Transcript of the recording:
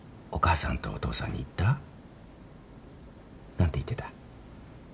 何て言ってた？